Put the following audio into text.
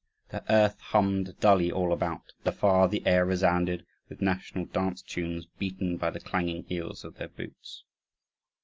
The earth hummed dully all about, and afar the air resounded with national dance tunes beaten by the clanging heels of their boots.